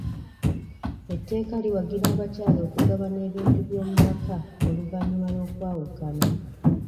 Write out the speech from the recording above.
Etteeka liwagira abakyala okugabana ebintu by'omu maka oluvannyuma lw'okwawukana.